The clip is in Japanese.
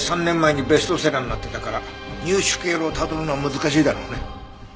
３年前にベストセラーになってたから入手経路をたどるのは難しいだろうね。